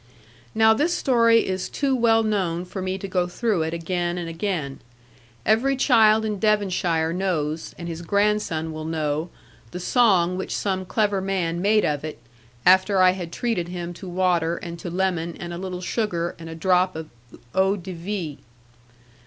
Now this story is too well known for me to go through it again and again. Every child in Devonshire knows, and his grandson will know, the song which some clever man made of it, after I had treated him to water, and to lemon, and a little sugar, and a drop of eau de vie.